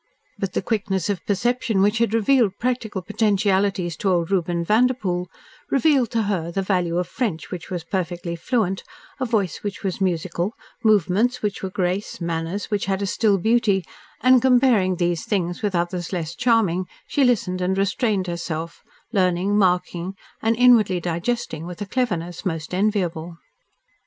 But the quickness of perception which had revealed practical potentialities to old Reuben Vanderpoel, revealed to her the value of French which was perfectly fluent, a voice which was musical, movements which were grace, manners which had a still beauty, and comparing these things with others less charming she listened and restrained herself, learning, marking, and inwardly digesting with a cleverness most enviable.